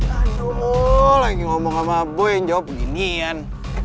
aduh lagi ngomong sama boy yang jawab beginian